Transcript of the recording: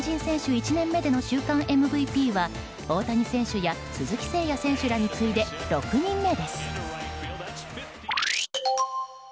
１年目での週間ＭＶＰは大谷選手や鈴木誠也選手らに次いで６人目です。